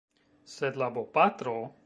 Sed la bopatro…